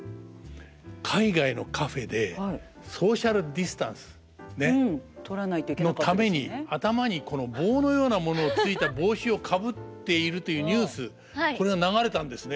海外のカフェでソーシャルディスタンスのために頭にこの棒のようなものがついた帽子をかぶっているというニュースこれが流れたんですね。